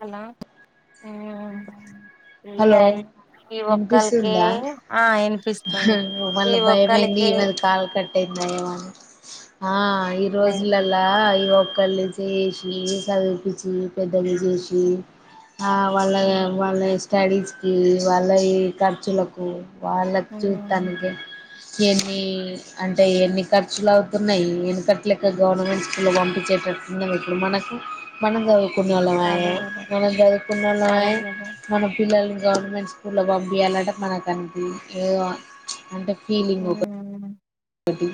Hello మ్ ఇయియే hello అయి ఈ ఒక్కల్ కే వినిపిస్తుందా ఆ ఇనిపిస్తుంది మి ఒక్కల్ కే కయింద ఈ లేదు రోజులలా పనులు చేసి చదిపించి పెద్దవి చేసి వాళ్ళ ఉమ్ వాళ్ళ స్టడీస్కి వాళ్ళ ఈ ఖర్చులకు వాళ్ళకు ఉమ్ చూటానికి ఎన్ని అంటే ఎన్ని ఖర్చులు అవుతున్నాయి ఎన్ని ఖర్చలు గవర్నమెంట్ స్కూల్ పంపించ చేటర్ కిందం ఇప్పుడు మనకు మనగా కున్నాలయ అదే కదా మనం చుదుకున్నాలయ అదే కదా మన పిల్లల్ని గవర్నమెంట్ స్కూల్లో పంపించయాలింటే మనకు అంత ఏదో అంటే ఫీలింగ్ ఉమ్ ఒకటి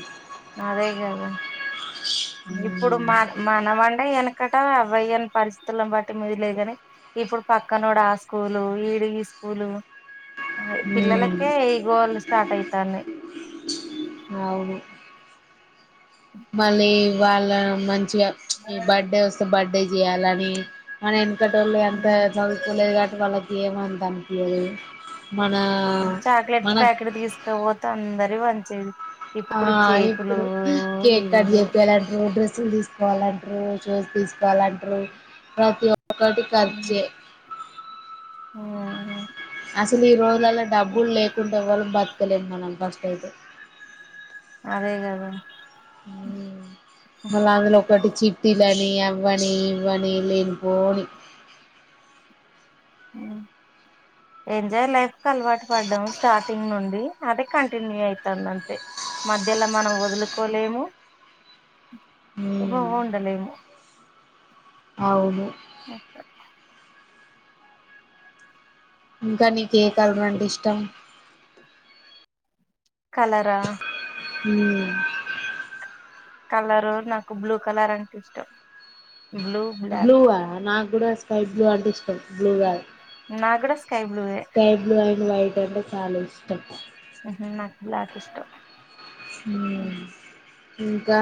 అదే కాదా ఇప్పుడు మ్మ్ మ మన వండే వెన అక్కట అవయ్యని పరిస్థితులను బట్టి మీది లేగాని ఇప్పుడు పక్కన కూడా ఆ స్కూలు ఈడు స్కూలు మ్మ్ పిల్లలకే ఈగోలు స్టార్ట్ అవుతాన్నాయి అవును మళ్ళీ ఉమ్ వాళ్ళ మంచిగా ఈ బర్త్డే వస్తే బర్త్డే చేయాలని మన వెనకటోళ్ళు ఎంత ఉమ్ చదువుకోలేదు కాబట్టి వాళ్ళకి ఏమ కనిపియరు చాక్లెట్స్ ప్యాకెట్ తీసుకోకపోతే అందరికీ పచ్చేంది ఆ ఇప్పుడు కేక్ కట్ ఇదేదో చెప్పియాలంటే డ్రెస్సులు తీసుకోవాలంటే ర చూసి తీసుకోవాలంటారు ప్రతి ఒక్కటి ఖర్చే ఆహుమ్ అసలు ఈ రోజులలో డబ్బులు లేకుంటే ఏవాళ్ళ బతకలేదు మనం ఫస్ట్ అయితే అదే కదా ఉమ్ మళ్ళ అందులో ఒకటి చ చిట్టిలని అవ్వని ఇవ్వని లేనిపోని అమ్ ఎంజాయ్ లైఫ్ కు అలవాటు పడ్డాము స్టార్టింగ్ నుండి అదే కంటిన్యూ అవుతుంది అంతే మధ్యలో మనం వదులుకోలేము ఇప్పుడూ మ్మ్ ఉండలేము అవును ఇంకా నీకు ఏ కలర్ అంటే ఇష్టం కలరా హ్మ్ కలరు నాకు బ్లూ కలర్ అంటే ఇష్టం బ్లూ బ్లాక్ బ్లూ నాకు కూడా స్కై బ్లూ అంటే ఇష్టం బ్లూ కాదు నా కూడా స్కై బ్లూయే స్కై బ్లూ అండ్ వైట్ అంటే చాలా ఇష్టం ఉహం నాకు బ్లాక్ ఇష్టం హ్మ్ ఇంకా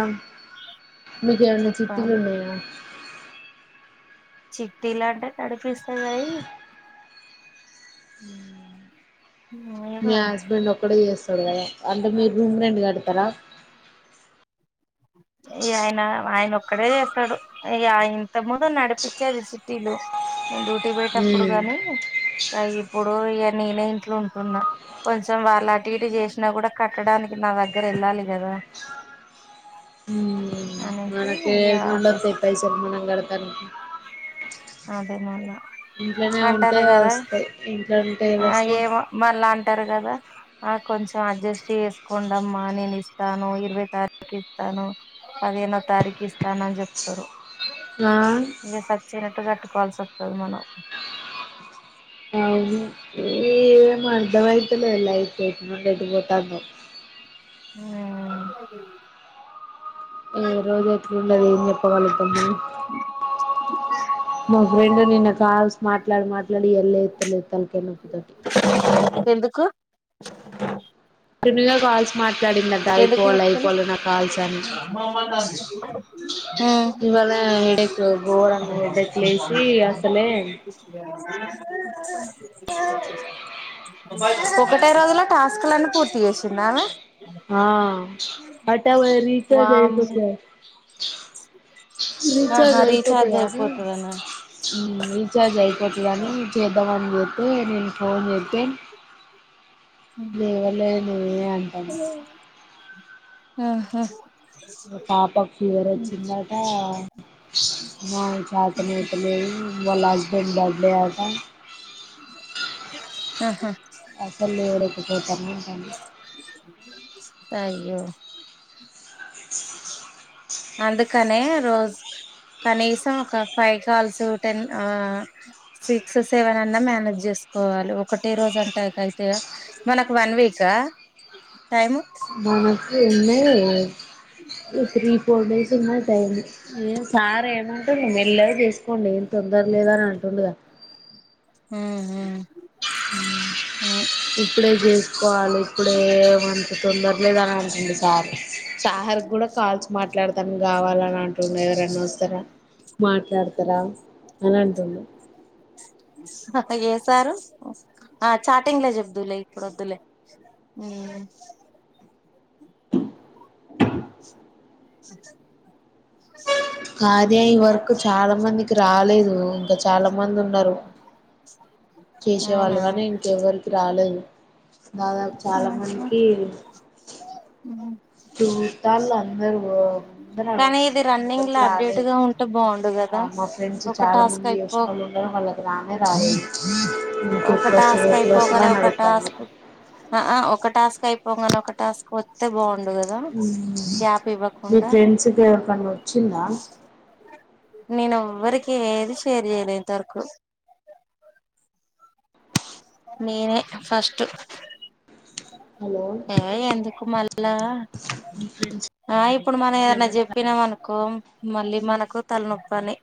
మీకు ఏమన్నా చిట్టీలు చెప్పాలి ఉన్నాయా చిట్టిలా అంటే నడిపిస్తాం కనీ ఉ మీ కానీ హస్బెండ్ ఒక్కడే వేస చూడు కదా అంటే మీరు రూమ్ రెంట్ కడతారా ఈ ఆయన ఆయన ఒక్కడే చేస్తాడు ఈ ఇంత ముందు నడిపించేది చిట్టిలు నేను డ్యూటీ పెయేటప్పుడు గానీ అ ఇప్పుడు ఇగ నేనే ఇంట్లో ఉంటున్నా కొంచెం వాళ్ళ అటు ఇటు చేసినా కూడా కట్టడానికి నా దగ్గర ఉండాలి కదా అనేసి మనకి ఇగ ఎడా నుండి ఆపేసా ఓస్తాయి పైసలు మనం కడతాం అదే మల్ల ఉంటే అంటారు కదా వస్తాయి ఇంట్లో ఉంటే ఏడ వస్తాయి ఏమో మళ్ళా అంటారు కదా ఆ కొంచెం అడ్జస్ట్ చేసుకోండి అమ్మ నేను ఇస్తాను ఇరవై తారీఖ కిఇస్తాను పదిహేనో తారీకు ఇస్తాను అని చెప్తూరు ఆ ఇగ సచినట్టు కట్టుకోవాల్సి ఒస్తాధీ మనం అవును ఏం అర్థమైతలేదు లైఫ్ ఎటు నుండి ఎటు పోతందో హ ఏ రోజు అట్లా ఉనదో ఏం చెప్ప కల్గుతం మనం మా ఫ్రెండ్ నిన్న కాల్సి మాట్లాడి మాట్లాడి ఇగ లేతలేదు తలకాయ నొప్పితోటి ఎందుకు త కాల్ [unintelligible] మాట్లాడింది ఆట ఎందుకు అయిపోవాలి లెక్కలు అయిపోవాలి ఆ కాల్స అని హ్మ్ ఇవాళ హెడేక్ గోరంగా హెడేక్ లేసి అసలే అ ఒకటే రోజుల టేకులు అనీ పూర్తి చేసిందా ఆమె హ అంటే ఆమె రీచార్జ్ వామ్మో అయిపోతాది ఆట ఆహా రీచార్జ్ అయిపోతాది రీచార్జ్ అని అయిపోతదనా హ్మ్ రీచార్జ్ అయిపోతాది అని చేయమంది అంటే నేను ఫోన్ చేస్తే లేవలేదే అంటంది ఆహా పాపం ఫీవర్ ఒచ్చింది ఆట ఆ చతన అయితలేదు వల్ల హస్బెండ్ బర్త్డే అట ఆహా అసలులు ఎడ కుతుండన్న అయ్యో అందుకనే రోజు ఒక కనీసం ఒక ఫైవ్ కాల్స్ టెన్ ఆ సిక్స్ సెవెన్ అన్నా మేనేజ్ చేస్త కోవాలి ఒకటే రోజంటె అయితయ, మనకు వన్ వీకా టైం మనకు ఉన్నయ్ త్రీ, ఫోర్ డేస్ ఉన్నాయి ఉమ్ సార్ ఏమంటుమ్డు మెల్ళగ జేసుకోండి ఎమ్ తొందర లేదని అంటుండుగా హా హా ఉమ్ ఇప్పుడే జేస్కోవాలి ఇప్పుడేమంత తొందర లేదని అంటుండు సార్ సారుగ్గుడ కాల్స్ మాట్లాడతాన్కి గావాలని అంటుమ్డు, ఎవరైనా వస్తరా మాట్లాడ్ తరా ఏ సారు ఆ చాటింగ్ల చెబ్వ్దులే ఇప్పుడోద్దులే, ఉమ్ స కార్య ఈ వర్కు చాల మందికి రాలేదు ఇంక చాలా మందున్నరు. అవునా చేసేవాళ్ళుగనీ ఇంకెవ్వరికి రాలేదు దాదాపు చాలా ఉహు మందికి ఉమ్ చుత్తాల్లందరు ఓ అందరదే కానీ ఇది చెప్తుళ్లు కని రన్నింగ్ ఎవ్వరికి లో అప్డేట్ రాలేదు. గా ఉంటే బాగుండు కదా మా ఫ్రెండ్స్ ఒక చాలా టాస్క్ మంది అయిపో తెల్సినోళ్ళున్నరు వాళ్ళకు రానే రాలేదు. ఒక ఇంకెప్పుడు వస్తదో టాస్క్ ఎప్పుడు వస్తదో అయిపోన్గనే అని ఒక అడుగుతాండ్రు టాస్క్ ఆ ఆ ఒక్ ఒక టాస్క్ అయిపోగానే ఒక టాస్క్ ఒత్తె బాగున్ వుండు గదా గ్యాప్ మీ ఇవ్వకుండ ఫ్రెండ్స్ కి ఎవరికన్నా వచ్చిందా నేనోవ్వరికి ఏది షేర్ జేయలె ఇంతవరకు నేనె ఫస్ట్ హలో ఆ ఎందుకు మళ్ళా, మీ ఫ్రెండ్స్ ఆ ఇప్పుడు మనం ఏదన్న ఎవరికి రా జెప్పినమనుకో ఓ మళ్ళీ మనకు తలనొప్పని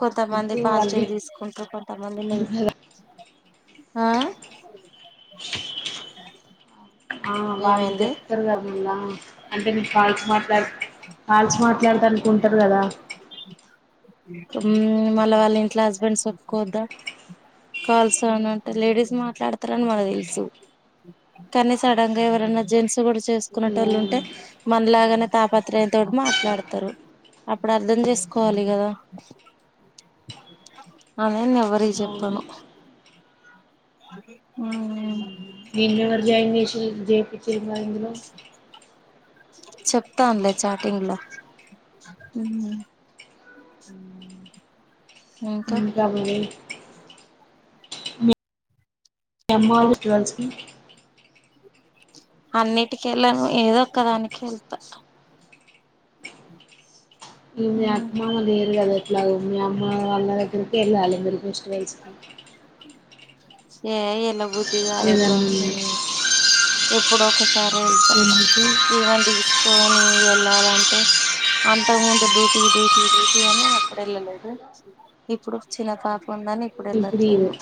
కొంతమంది ఎప్పుడు వాళ్ళు పాజిటీవ్ తీసుకుంట్రూ, కొంతమంది చెప్తారు నెగటివ్ కదా ఆ ఆ వాళ్ళు ఏమైంది చెప్తరు గద మళ్లా అంటే నే కాల్స్ మాట్లాడి కాల్స్ మాట్లాడతానికుంటరు గదా ఉమ్, మళ్ళ వాళ్ళింట్ల హస్బెండ్స్ ఒప్పుకోవద్దా కాల్సనంటే లేడీస్ మాట్లాడతరని మనకు దెల్సు కనీ సడన్ గ ఎవరైనా జెన్స్ గూడ చేసుకునేటోళ్ళుంటే మనలాగానే తాపత్రయ యం తోటి మాట్లాడతారు అప్పుడర్ధం జేస్కోవాలి గదా అదేను ఎవ్వరికి అవును జెప్పను. ఉమ్ ఉమ్ నిన్నెవర్జయిన్ జేషిల్ జేపిచ్చిళ్ళు మరిందులో చెప్తాన్లే చార్టింగ్ ల, ఉమ్ ఇంకా మరీ కొన్నవ ఫెస్టివల్స్ కి అన్నిటికెళ్ళను ఏదో ఒక్క దానికి ఎళ్తా ఇగ మీ అత్త మామలు లేరు గదా ఎట్లాగో మీ అమ్ ఆ అన్న దగ్గరికెళ్లాలి [unintelligible] ఫెస్టివల్స్ కి. ఏ ఎల్ల బుద్ది గాదబ్బా, ఏదన్నా ఉమ్ ఎప్పుడోకసారి ఎళ్తావుంటా, ఎందుకు ఈమన్ దీస్కొని ఎళ్ళాలంటే అంతకు ముందు డ్యూటీ, డ్యూటీ, డ్యూటీ అని అప్పుడెళ్ళలేదు, ఇప్పుడు చిన్న పాప పుందని ఇప్పుడు ఇది ఇప్పుడెళ్ళట్లేను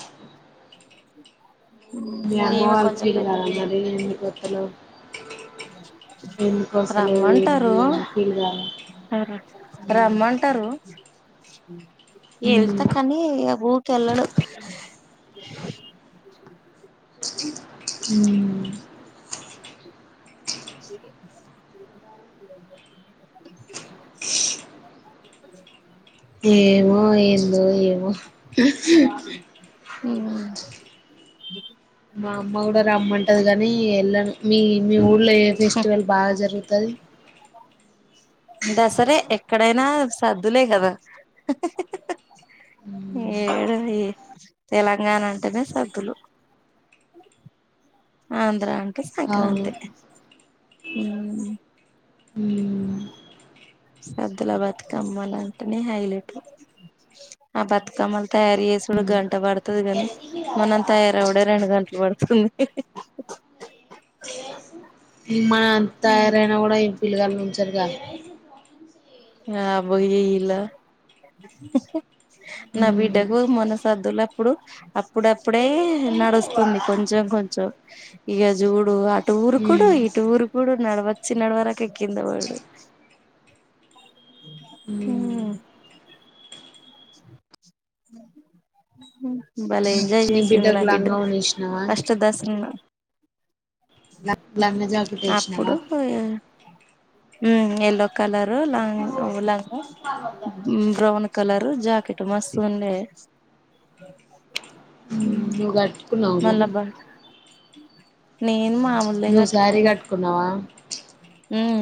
మీ అమ్మ వాల్ పెద్ద పిల్వరా మరి ఇన్ని కొత్తలో ఉమ్ ఎందుకోసలే ఏంది అ ఫీల్ కాాల ఆ రమ్మంటారు వెళ్తా ఉమ్ కానీ ఊకెల్లడు [inaudible] హ్మ్ [inaudible] [inaudible] ఏమో ఏందో ఏమో ఆహ్ హ మా అమ్మ కూడా రమ్మంటది గానీ ఎళను మీ మీ ఊళ్ళలో ఏ ఫెస్టివల్ బాగా జరుగుతది దాసరే ఎక్కడైనా సర్దులే గదా ఏడు ఈ తెలంగాణ అంటేనే సద్దులు ఆంధ్ర అంటే అవును సంక్రాంతి ఉ ఉ సబ్దులా బ్యాట్కమ్మల్ అంటనే హైలేట్ ఆ బతుకమ్మలు తయారు చేసడు గంట పడుతుది గని మనం తయారవడ రెండు గంట ఇట్ పడుతుంది ఇ మన అంత తయారైనా కూడా ఏం పిల్లగాల ను సరిగా ఆ అబ్బ ఇలా హు నా హ్మ్ బిడ్డకు మొన్న సద్దుల అప్పుడు అప్పుడప్పుడే నడుస్తుంది కొంచెం కొంచెం ఇగా చూడు అ టూర్ కుడు హ్మ్ ఈ టూరు కూడాడు నడవచ్చి నడవరక కింద బడు ఉ హ్మ్ హ బలే ఎంజాయ్ నీ చేసింది నా బిడ్డకు బిడ్డ లంగా ఓని ఏసినావా ఫస్ట్ దసరా లంగా జాకెట్ ఏసినావా అప్పుడు హ ఎయల్లో కలరు లాంగ బ్రౌన్ కలర్ జాకెట్ మస్తు ఉండే నువ్వు కట్టుకున్నావా మళ్ళ మరి బా న నేను మామూల్డే నువ్వు శారీ కట్టుకున్న కట్టుకున్నావా హ